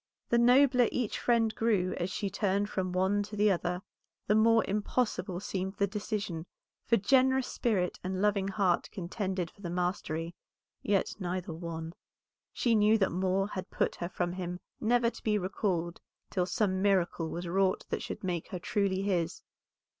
The nobler each friend grew as she turned from one to the other, the more impossible seemed the decision, for generous spirit and loving heart contended for the mastery, yet neither won. She knew that Moor had put her from him never to be recalled till some miracle was wrought that should make her truly his.